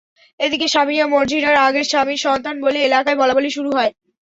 এদিকে সামিয়া মর্জিনার আগের স্বামীর সন্তান বলে এলাকায় বলাবলি শুরু হয়।